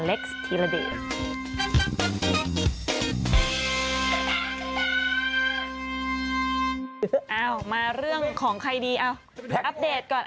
เอามาเรื่องของใครดีเอาอัปเดตก่อน